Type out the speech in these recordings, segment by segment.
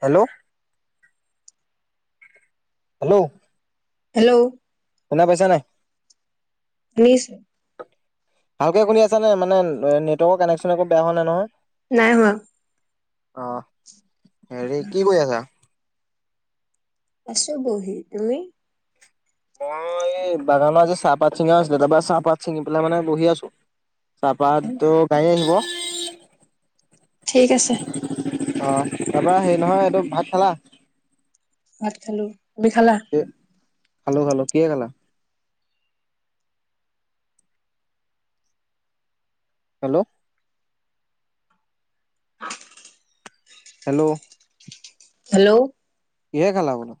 Hello. Hello. Hello. শুনা পাইছা নাই? নিছো। ভালকে শুনি আছা নে মানে ন নেটৱৰ্কৰ কানেকচন একো বেয়া হোৱা নাই নহয়। নাই হোৱা। অহ, হেৰি কি কৰি আছা? ছোঁ বহি, তুমি? মই এই বাগানৰ আজি চাহপাত ছিঙা আছিলে তাৰপৰা চাহপাত ছিঙি পেলাই মানে বহি আছোঁ। চাহপাতটো কালি আনিব। ঠিক আছে। অ', তাৰপৰা হেৰি নহয় এইটো, ভাত খালা? ভাত খালোঁ, তুমি খালা? খালোঁ, খালোঁ কিহে খালা? হেল্ল'। হেল্ল'। হেল্ল'। কিহে খেলা বোলো?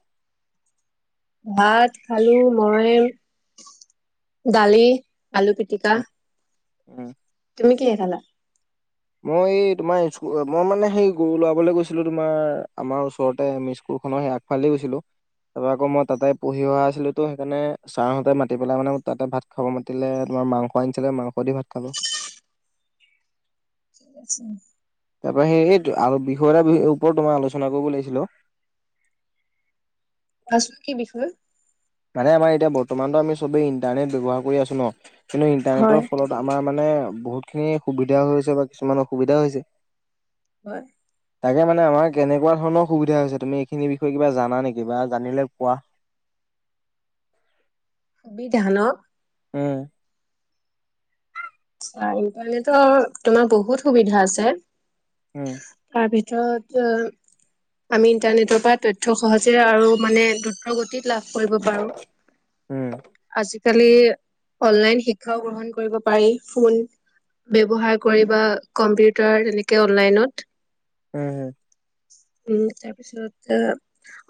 ভাত খালো মই। দালি, আলু পিটিকা উম। তুমি কিহে খালা? মই এই তোমাৰ স্কু মই মানে সেই গৰুওৰাবলে গৈছিলো তোমাৰ আমাৰ ওচৰতে আমি স্কু খন আগফালে গৈছিলো। তা পা আকৌ মই তাতে পঢ়িও আছিলো ত সেইকাৰণে ছাৰহঁতে মাতি পেলাই মানে তাতে ভাত খাব মাতিলে। মাংস আনছিলে মাংস দি ভাত খালো। [inaudible] ঠিক আছে। তা পা সেই এইটো আৰু বিষয় এটাৰ ওপৰত তোমাৰ আলোচনা কৰিব লাগিছিল অ। আছো কি বিষয়ে? মানে আমাৰ এতিয়া বৰ্তমানত আমি চবেই ইণ্টাৰনেট ব্যৱহাৰ কৰি আছো ন। কিন্তু হয়। ইণ্টাৰনেটৰ ফলত আমাৰ মানে বহুত খিনি সুবিধা হৈছে বা কিছুমান অসুবিধাও হৈছে। হয়। তাকে মানে আমাৰ কেনেকুৱা ধৰণৰ সুবিধা হৈছে তুমি এইখিনি বিষয়ে কিবা জানা নেকি বা জানিলে কোৱা? [inaudible] বিধানক, উম, চা ইণ্টাৰনেটৰ তোমাৰ বহুত সুবিধা আছে। হম। ত - ত আমি ইন্টাৰনেটৰ পৰা তথ্য সহজে, আৰু মানে দ্ৰুত গতিত লাভ কৰিব পাৰো। উম আজি আজিকালি, অনলাইন শিক্ষাও গ্ৰহণ কৰিব পাৰি। ফোন ব্যৱহাৰ কৰি বা কম্পিউটাৰ এনেকে অনলাইনত। হম হুম। উ তাৰপিছত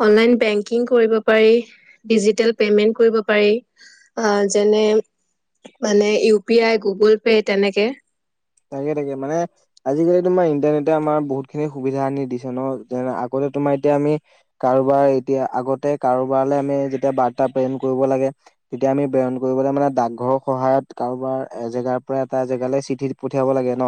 অনলাইন বেংকিং কৰিব পাৰি, ডিজিতেল পে যেনে মানে, উ পি আই গগুল পে' তেনেকে তাকে তাকে মানে, আজিকালি তোমাৰ ইণ্টাৰনেটে আমাৰ বহুত খিনি সুবিধা আনি দিছে ন যে, আগতে তোমাৰ এতিয়া আমি কাৰোবাৰ এতিয়া আগতে কাৰোবাৰৈ আমি, যেতিয়া বাৰ্তা প্ৰেৰণ কৰিব লাগে তেতিয়া আমি পেৰন কৰিবলে মানে, ডাকঘৰৰ সহায়ত কাৰোবাৰ এজেগাৰ পৰা এটা জেগালৈ চিঠিত, পঠিয়াব লাগে ন।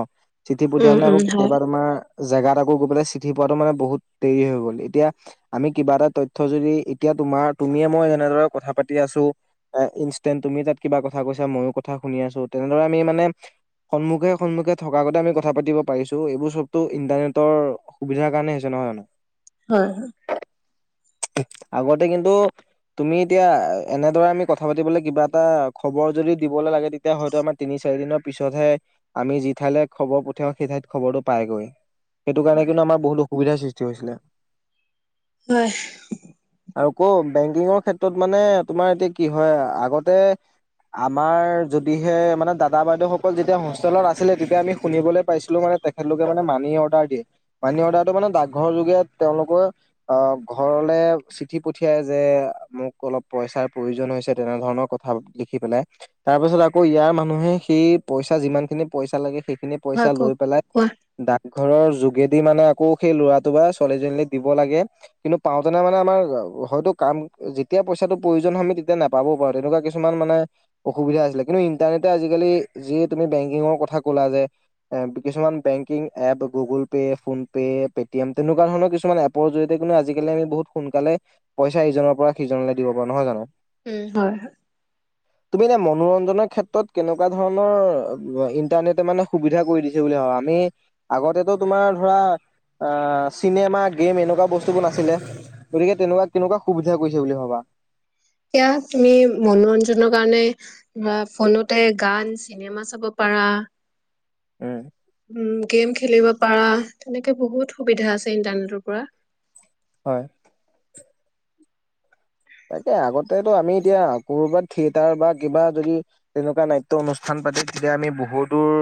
চিঠি উম পঠিয়াও তে উম আকৌ হয় কেতিয়াবা তোমাৰ, জেগাত আকৌ গৈ পেলাই চিঠি পোৱাটো মানে বহুত দেৰি হৈ গ'ল। এতিয়া আমি কিবা এটা তথ্য যদি এতিয়া, তোমাৰ তুমিয়ে মই যেনেদৰে কথা পাতি আছো, এ ইনেন্ট তুমি তাত কিবা কথা কৈছা ময়ো কথা শুনি, আছো তেনেদৰে আমি মানে, সন্মুখে সন্মুখে থকাৰ আগতে আমি কথা পাতি পাৰিছো, এইবোৰ চবতটো ইণ্টাৰনেটৰ সুবিধাৰ কাৰণে হৈছে নহয়। হয়। হয় হয়। আগতে কিন্তু তুমি এতিয়া এনেদৰে আমি কথা পাতিবলে কিবা এটা খবৰ যদি দিবলে লাগে তেতিয়া হয়তো আমাৰ তিনি চাৰি দিনৰ পিছতহে আমি যি ঠাইলৈ খবৰ পঠিয়াও সেই ঠাইত খবৰটো পাইগৈ সেইটো কাৰণে কিন্তু আমাৰ বহুলো সুবিধাৰ সৃষ্টি হৈছিলে হয় আৰু ক বেংকিঙৰ ক্ষেত্ৰত মানে তোমাৰ এতিয়া কি হয় আগতে আমাৰ যদিহে মানে দাদা বাইদেউসকল যেতিয়া হোষ্টেলত আছিলে তেতিয়া আমি শুনিবলে পাইছিলো মানে তেখেতলোকে মানে মানি অৰ্ডাৰ দিয়ে মানি অৰ্ডাৰটো মানে ডাকঘৰ টোগে তেওঁলোকো অ', ঘৰলে চিঠি পঠিয়াই যে মোক অলপ পইচাৰ প্ৰ প্ৰয়োজন হৈছে তেনেধৰণৰ কথা লিখি পেলাই তাৰপাছত আকৌ ইয়াৰ মানুহে সেই পইচা যিমান খিনি পইচা লাগে সেইখিনি হয় পইচা লৈ কওক পেলাই কোৱা দা ঘৰৰ যোগেদি মানে আকৌ সেই ল'ৰাটো বা ছোৱালীজনীলৈ দিব লাগে কিন্তু পাওঁতেনে মানে আমাৰ হয়তো কাম যেতিয়া পইচাটো প্ৰয়োজন হয় আমি তেতিয়া নাপাবও পাৰোঁ তেনেকুৱা কিছুমান মানে অসুবিধা আছিলে কিন্তু নো ইন্টাৰনেটে আজিকালি যি তুমি বেংক কিংৰ কথা ক'লা যে অ', কিছুমান banking app Google Pay, PhonePe, Paytm তেনেক তেনেকুৱা ধৰণৰ কিছুমান এপৰ জৰিয়তে কোন আজিকালি আমি বহুত সোনকালে পইচা ইজনৰ পৰা সিজনেলৈ পাৰোঁ নহয় জানো। উম, হয়, হয়। তুমি এনে মনোৰঞ্জনৰ ক্ষেত্ৰত কেনেকুৱা ধৰণৰ লোৱা ইণ্টাৰনেটে মানে সুবিধা কৰি দিছে বুলি ভাব আমি আগতেটো তোমাৰ ধৰা অ', চিনেমা গেম এনেকুৱা বস্তুবোৰ নাছিলে গতিকে তেনেকুৱা কেনেকুৱা সুবিধা কৰিছে বুলি ভাবা? [inaudible] সেয়া তুমি মনোৰঞ্জনৰ কাৰণে ধৰা ফোনতে গান চিনেমা চাব পা পাৰা। উম। উম, গেম খেলিব পাৰা তেনেকে বহুত সুবিধা আছে ইন্টাৰনেটৰ পৰা। হয়। তাকে আগতে আমি এতিয়া কৰ'বাত থিয়েটাৰ বা কিবা যদি তেনেকুৱা নাট্য অনুষ্ঠান পাতে তেতিয়া আমি বহুত দূৰ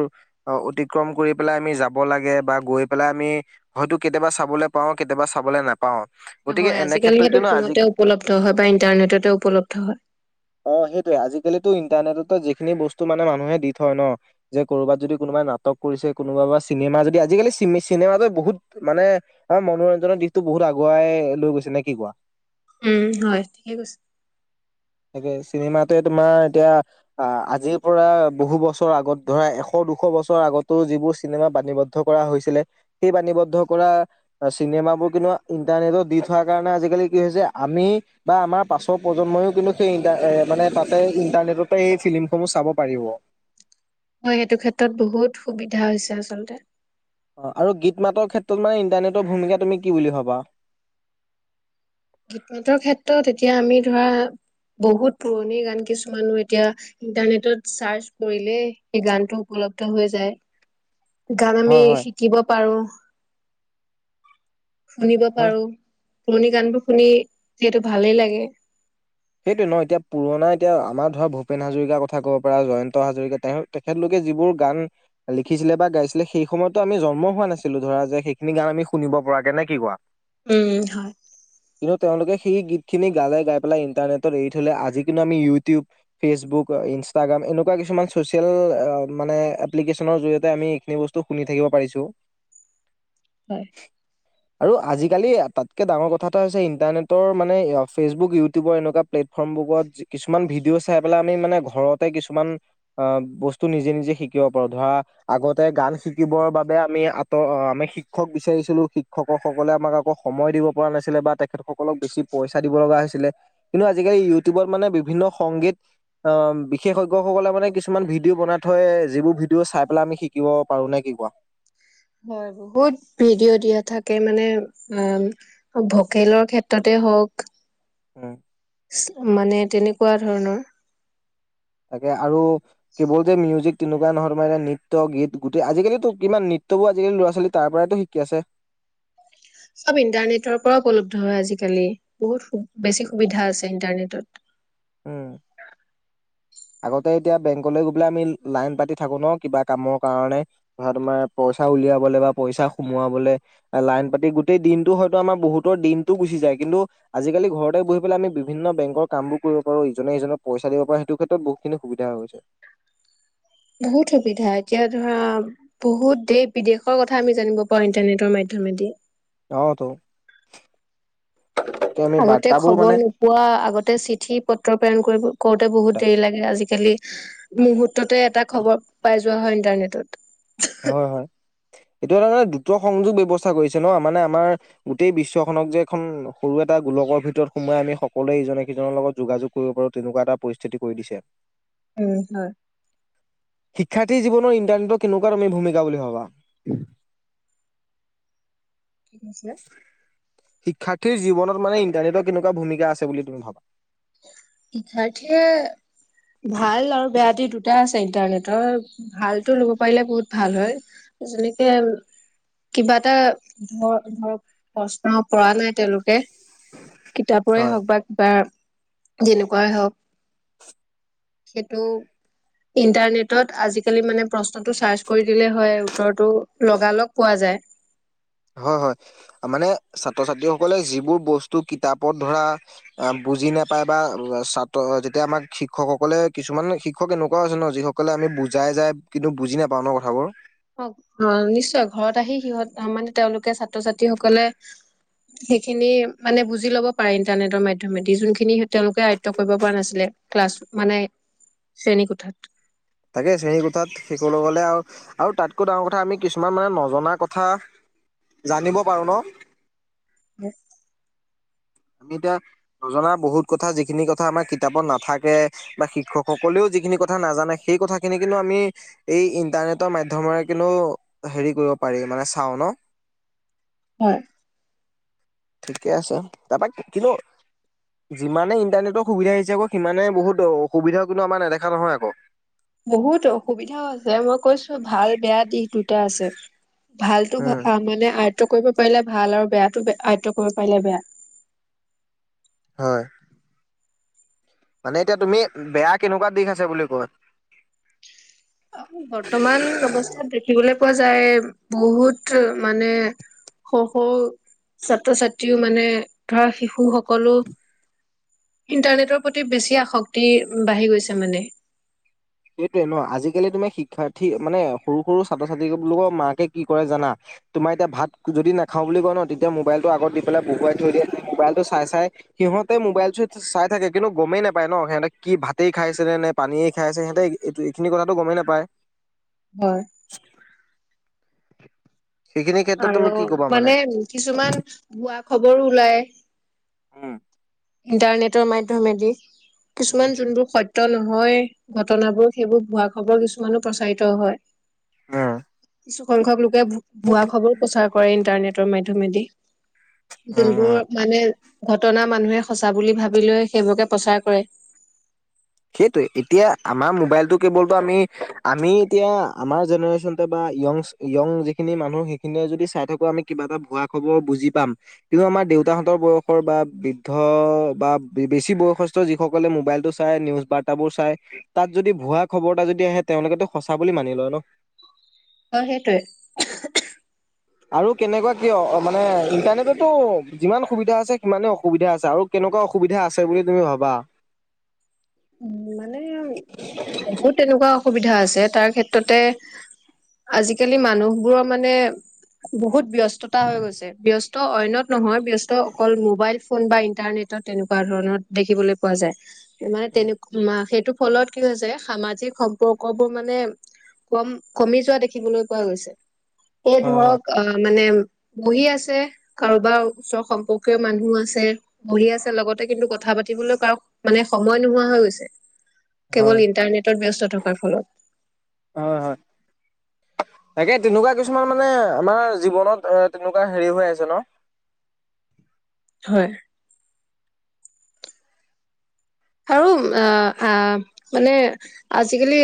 অতিক্ৰম কৰি পেলাই আমি যাব লাগে বা গৈ পেলাই আমি হয়তো কেতিয়াবা চাবলৈ পাওঁ কেতিয়াবা চাবলৈ নাপাওঁ গতিকে হয় এনে আজিকালি ক্ষেত্ৰত সেইটো কিন্তু আজি ফোনতে উপলব্ধ হয় বা ইন্টাৰনেটতে উপলব্ধ হয়। অ', সেইটোৱে আজিকালিটো ইন্টাৰনেটতো যিখিনি বস্তু মানে মানুহে দি থয় ন' যে ক'বাত যদি কোনোবাই নাটক কৰিছে কোনোবা চিনে মা যদি আজিকালি চি-চিনেমাটো বহুত মানে অ', মনোৰঞ্জনৰ দিশটো বহুত আগুৱাই লৈ গৈছে নেকি। কি কোৱা? উম, হয়, ঠিকে কৈছে। তাকে চিনেমাতে তোমাৰ এতিয়া অহ, আজিৰ পৰা বহু বছৰ আগত ধৰা এশ দুশ বছৰ আগতো যিবোৰ চিনেমা বাণীবদ্ধ কৰা হৈছিলে সেই বাণীবদ্ধ কৰা অ', চিনে মাবোৰ কিন্তু ইন্টাৰনেটত দি থোৱা কাৰণে আজিকালি কি হৈছে আমি বা আমাৰ পাছৰ প্ৰজন্ময়ো কিন্তু সেই ইন্টা অ', মানে তাতে ইণ্টাৰনেটতে এই ফিল্মসমূহ চাব পাৰিব। হয়, সেইটো ক্ষেত্ৰত বহুত সুবিধা হৈছে আচলতে। আৰু গীত মাতৰ ক্ষেত্ৰত মানে ইণ্টাৰনেটৰ ভূমিকা তুমি কি বুলি ভাবা? গীত মাতৰ ক্ষেত্ৰত এতিয়া আমি ধৰা বহুত পুৰণি গান কিছুমানো এতিয়া ইন্টাৰনেটত চাৰ্চ কৰিলে সেই গানটো উপ লব্ধ হৈ যায়, গান হয় আমি হয় শিকিব পাৰোঁ। শুনিব হয়। পাৰোঁ, পুৰণি গানবোৰ শুনি যিহেতু ভালেই লাগে। সেইটোৱে ন' এতিয়া পুৰণা এতিয়া আমাৰ ধৰা ভূপেন হাজৰিকাৰ কথা ক'ব পাৰা, জয়ন্ত হাজৰিকা তেখ-তেখেতলোকে এ যিবোৰ গান লিখিছিলে বা গাইছিলে সেই সময়তো আমি জন্ম হোৱা নাছিলো ধৰা যে সেইখিনি গান আমি শুনিব পৰাকে নে, কি কোৱা? উম, হয়। কিন্তু তেওঁলোকে সেই গীতখিনি গালে গাই পেলাই ইন্টাৰনেটত এৰি থ'লে আজি কিন্তু আমি ইউটিউব, ফেচবুক, ইন্ষ্টাগ্ৰাম এনেকুৱা কিছুমান চ'চিয়েল অ' মানে এপ্লিকেচনৰ জৰিয়তে আমি এইখিনি বস্তু শুনি থাকিব পাৰিছোঁ। [inaudible] হয়। আৰু আজিকালি তাতকৈ ডাঙৰ কথা এটা হৈছে ইণ্টাৰনেটৰ মানে ফেচবুক, ইউ টিউবৰ এনেকুৱা প্লেটফৰ্মবোৰত কিছুমান ভিদিঅ' চাই পেলাইআমি মানে ঘৰতে কিছুমান আ বস্তু বস্তু নিজে নিজে শিকিব পাৰো। ধৰা আগতে গান শিকিবৰ বাবে আমি আতৰ-আমি শিক্ষক বিচাৰি ছিলো শিক্ষকসকলে আমাক আকৌ সময় দিব পৰা নাছিলে বা তেখেতসকলক বেছি পইচা দিব লগা হৈছিলে। কিন্তু আজিকালি ইউটিউবত মানে বিভিন্ন সংগীত আহ বিশেষজ্ঞসকলে মানে কিছুমান ভিডিঅ' বনাই থ যিবোৰ ভিডিঅ' চাই পেলাই আমি শিকিব পাৰো নে কি কোৱা। উম, হয় বহুত ভিডিঅ' দিয়া থাকে মানে অ ভকেলৰ ক্ষেত্ৰতে। হওক উম মানে তেনেকুৱা ধৰণৰ তাকে আৰু কেৱল যে মিউজিক তেনেকুৱা নহয় মানে নৃত্য গীত গোটেই আজিকালিতো কিমান নৃত্য নৃত্য বোৰ আজিকালি ল'ৰা ছোৱালী তাৰপৰাই টো শিকি আছে [inaudible] চব ইণ্টাৰনেটৰ পৰা উপলব্ধ হয় আজিকালি বহুত বেছি সুবিধা আছে ইণ্টাৰনেট। [inaudible] উ, আগতে এতিয়া বেংকলৈ গলে আমি লাইন পাতি থাকো ন কিবা কামৰ কাৰণে ধৰা তোমাৰ পইচা উলিয়াবলৈ বা পইচা সোমাবলৈ লাইন পাতি গোটেই দিনতটো হয়তো আমাৰ বহুতৰ দিনতটো গুচি যায় কিন্তু আজিকালি ঘৰতে বহি পেলাই আমি বিভিন্ন বেংকৰ কামোৰ পাৰো ইজনে ইজক পইচা দিব পাৰো সেইটো কে বহুতখিনি সুবিধা হৈ গৈছে। বহুত সুবিধা এতিয়া ধৰা বহুত দেশ বিদেশৰ কথা আমি জানিব পাৰো ইন্টাৰনেটৰ মাধ্যমেদি মাধ্যমেদি [inaudible] আমি আগতে বাৰ্তাবোৰ মানে খবৰ নোপোৱা আগতে চিঠি পত্ৰ প্ৰেৰণ কৰিব। কৰোতে বহুত দেৰি লাগে আজিকালি মুহূৰৰ্ততে এটা খবৰ পাইছো। খবৰ লোৱা হয় ইণ্টাৰনেটত হয় হয় এইটো তাৰ মাৰ দ্ৰুত সংযোগ ব্যৱস্থা কৰিছে ন মানে আমাৰ গোটেই বিশ্বখনক যে এখন সৰু এটা এটা গোলকৰ ভিতৰত সোমাই আমি সকলোৱে ইজনে সিজনৰ লগত যোগাযোগ কৰিব পাৰোঁ তেনেকুৱা এটা পৰিস্থিতি কৰি দিছে উম হয়। শিক্ষাৰ্থী জীৱনৰ ইন্টাৰনেটৰ কেনেকুৱা তুমি ভূমিকা বুলি ভাবা। কি কৈছে শিক্ষাৰ্থীৰ জীৱনত মানে ইণ্টাৰনেটৰ কেনেকুৱা ভূমিকা আছে বুলি তুমি ভাবা। শিক্ষাৰ্থীয়ে ভাল আৰু বেয়া দি দুটা আছে ইণ্টাৰনেটৰ ভালটো ল'ব পাৰিলে বহুত ভাল হয় যেনেকে। কিবা এটা ধৰ ধৰক প্ৰশ্ন পৰা নাই তেওঁলোকে। কিতাপৰে হয়, হওক বা কিবা যেনেকুৱাই হওক। সেইটো। ইণ্টাৰনেটত আজিকালি মা নে প্ৰশ্নটো চাৰ্চ কৰি দিলে হয় উত্তৰটো লগা লগ পোৱা যায়। [inaudible] হয় হয় মানে ছাত্ৰ ছাত্ৰীসকলে যিবোৰ বস্তু কিতাপত ধৰা। বুজি নাপায় বা ছাত্ৰ যেতিয়া আমাক শিক্ষকসকলে কিছুমান শিক্ষক এনেকুৱাও আছে ন যিসকলে আমি। বুজাই যায় কিন্তু বুজি নাপাওঁ ন কথাবোৰ। অ -অ নিশ্চয় ঘৰত আহি সিহঁত মানে তেওঁলোকে ছাত্ৰ ছাত্ৰীসকলে সেইখিনি মানে বুজি লব পাৰে ইণ্টাৰনেটৰ মাধ্যমেদি যোনখিনি তেওঁলোকে আয়ত্ব কৰিব পৰা নাছিলে ক্লাছ মানে শ্ৰেণী কোঠাত। তাকে শ্ৰেণী কোঠাত শিকলৈ গ'লে আৰু আৰু তাতকৈ ডাঙৰ কথা আমি কিছুমান মানে নজনা কথা জানিব পাৰো ন উম। আমি এতিয়া নজনা বহুত কথা যিখিনি কথা আমাৰ কিতাপত নাথাকে বা শিক্ষকসকলেও। যিখিন কথা নাজানে সেই কথা খিনি কিন্তু আমি এই ইন্টাৰনেটৰ মাধ্মৰে কিন্তু হেৰি কৰিব পাৰ মানে চাওঁ ন [inaudible] ঠিকে আছে তাৰাপা কিনো যিমানে ইণ্টাৰনেটৰ সুবিধা আহি হৈছে আকৌ সিমানে বহুত অসুবিধাও কিন্তু আমাৰ নেদেখা নহয় আকৌ বহুত অসুবিধাও আছে মই কৈছো ভাল বেয়া দিশ দুটা আছে। ভালতো উম মানে আয়ত্ব কৰিব পাৰিলে ভাল আৰু বেয়াটো আয়ত্ব কৰিব পাৰিলে বেয়া হয় মানে এতিয়া তুমি বেয়া কেনেকুৱা দিশ আছে বুলি কয় বৰ্তমান অৱস্থাত দেখিবলৈ পোৱা যায় বহুত মানে সৰু সৰু ছাত্ৰ ছাত্ৰীও মানে ধৰা শিশু সকলো ইণ্টাৰনেটৰ প্ৰতি বেছি আসক্তি বাঢ়ি গৈছে মানে সেইটোয়ে ন আজিকালি তুমি শিক্ষাৰ্থী মানে সৰু সৰু ছাত্ৰ ছাত্ৰীবিলাকৰ মাকে কি কৰে জানা তোমাৰ এতিয়া ভাত যদি নাখাও বুলি কয় ন তেতিয়া মোবাইলটো আগত দি পেলাই বহুৱাই থৈ দিয়ে মোবাইলটো চাই চাই সিহঁতে মোবাইল চাই থাকে কিন্তু গমেই নাপায় ন সিহঁতে কি ভাতেই খাইছে নে নে পানীয়ে খাইছে সিহঁতে এইটো এইখিনি কথাাতটো গমেই নাপায় হয় [unintelligible] ক্ষেত্ৰত তুমি আৰু কি কবা মানে কিছুমান বোৱা খবৰো ওলাই উম ইন্টাৰনেটৰ মাধ্যমেদি উম কিছুমান যোনবোৰ সত্য ন হয় ঘটনাবোৰ সেইবোৰ ভুৱা খবৰ কিছুমানো প্ৰচাৰিত হয় অ কিছুসংখ্যক লোকে ভুৱা খবৰ প্ৰচাৰ কৰে ইণ্টাৰনেটৰ মাধ্যমেদি উম যোনবোৰ উম মানে ঘটনা মানুহে সঁচা বুলি ভাবি লৈ সেইবোৰকে প্ৰচাৰ কৰে সেইটোয়ে এতিয়া আমাৰ মোবাইলতটো কেৱলতো আমি আমি এতিয়া আমাৰ জেনেৰেচনতো বা য়ং য়ং যিখিনি মানুহ সেইখিনিয়ে যদি চাই থাকো আমি কিবা এটা ভুৱা খবৰ বুজি পাম কিন্তু আমাৰ দেউতাহঁতৰ বয়সৰ বা বৃদ্ধ বা বেছি বয়সস্থ যিসকলে মোবাইলটো চাই নিউজ বাৰ্তাবোৰ চাই তাত যদি ভুৱা খবৰ এটা যদি আহে তেওঁলোকেতো সঁচা বুলি মানি লয় ন অ সেইটোৱে। আৰু কেনেকুৱা কিয়? মানে ইণ্টাৰনেটতো যিমান সুবিধা আছে সিমানে অসুবিধা আছে আৰু কেনে এনেকুৱা অসুবিধা আছে বুলি তুমি ভাবা। [inaudible] মানে বহুত তেনেকুৱা অসুবিধা আছে। তাৰ ক্ষেত্ৰতে আজিকালি মানুহবোৰৰ মানে বহুত ব্যস্ততা হৈ গৈছে। ব্যস্ত অইনত নহয়, ব্যস্ত অকল মোবাইল ফোন বা ইন্টাৰনেট তেনেকুৱা ধৰণত দেখিবলৈ পোৱা যায়। মানে তেনেক সেইটো ফলত কি হয় য সামাজিক সম্পৰ্ক বোৰ মানে কম-কমি যোৱা দেখিবলৈ পোৱা গৈছে। এই হয় হয় ধৰক অ' মানে বহি আছে, কাৰোবাৰ ওচৰ সম্পৰ্কীয় মানুহ আছে, বহি আছে লগতে কিন্তু কথা কথা পাতিবলৈ কাৰ মানে সময় নোহোৱা হৈ গৈছে। হয় কেৱল ইন্টাৰনেটত ব্যস্ত থকাৰ ফলত। হয়, হয়। তাকে তেনেকুৱা কিছুমান মানে আমাৰ জীৱনত এ তেনেকুৱা হেৰি হৈ আছে ন। [unintelligible] হয়। আৰু অ', আহ, মানে আজিকালি